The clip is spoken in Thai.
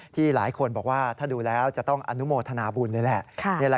หลายคนบอกว่าถ้าดูแล้วจะต้องอนุโมทนาบุญเลยแหละ